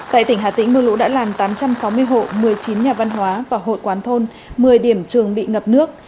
tại tỉnh hà tĩnh mưa lũ đã làm tám trăm sáu mươi hộ một mươi chín nhà văn hóa và hội quán thôn một mươi điểm trường bị ngập nước